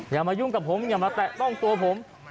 อย่ามายุ่งกับผมอย่ามาแตะต้องตัวผม